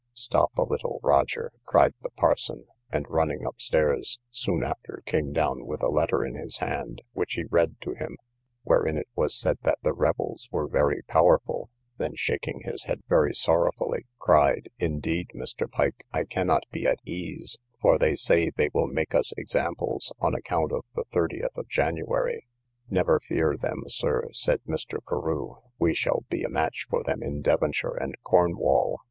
Stop a little, Roger, cried the parson; and running up stairs, soon after came down with a letter in his hand, which he read to him, wherein it was said that the rebels were very powerful; then shaking his head very sorrowfully, cried, indeed, Mr. Pike, I cannot be at ease, for they say they will make us examples, on account of the 30th of January. Never fear them, Sir, said Mr. Carew; we shall be a match for them in Devonshire and Cornwall.